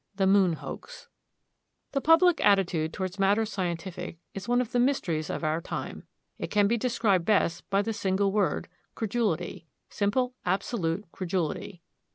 THE MOON HOAX The public attitude toward matters scientific is one of the mysteries of our time. It can be described best by the single word, Credulity; simple, absolute credulity.